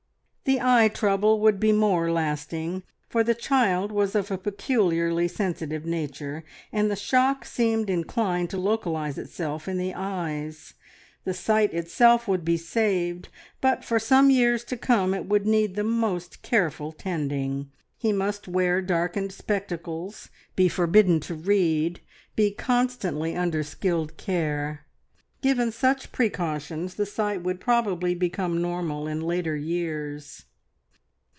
The eye trouble would be more lasting, for the child was of a peculiarly sensitive nature, and the shock seemed inclined to localise itself in the eyes. The sight itself would be saved, but for some years to come it would need the most careful tending. He must wear darkened spectacles; be forbidden to read; be constantly under skilled care. Given such precautions the sight would probably become normal in later years...